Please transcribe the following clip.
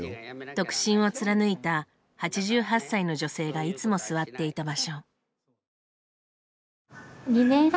独身を貫いた８８歳の女性がいつも座っていた場所。